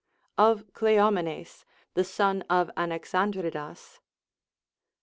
Of Cleomenes the Son of Anaxandridas.